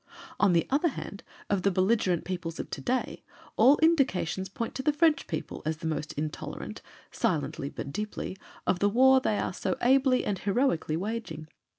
On the other hand, of the belligerent peoples of today, all indications point to the French as the people most intolerant, silently but deeply, of the war they are so ably and heroically waging.